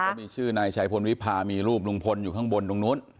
เขามีชื่อนายชัยพลวิพามีรูปลุงพลอยู่ข้างบนตรงนู้น